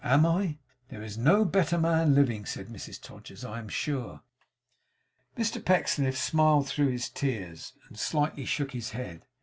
'Am I?' 'There is no better man living,' said Mrs Todgers, 'I am sure.' Mr Pecksniff smiled through his tears, and slightly shook his head.